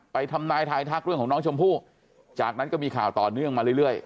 ทำนายทายทักเรื่องของน้องชมพู่จากนั้นก็มีข่าวต่อเนื่องมาเรื่อย